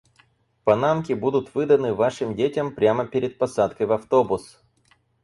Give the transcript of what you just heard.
Панамки будут выданы вашим детям прямо перед посадкой в автобус.